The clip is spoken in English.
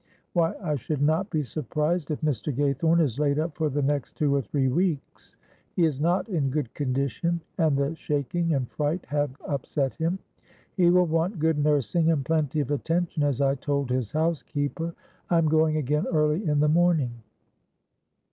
Why, I should not be surprised if Mr. Gaythorne is laid up for the next two or three weeks; he is not in good condition and the shaking and fright have upset him. He will want good nursing and plenty of attention, as I told his housekeeper. I am going again early in the morning."